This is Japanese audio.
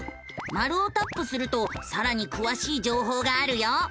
マルをタップするとさらにくわしい情報があるよ。